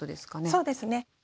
そうですね。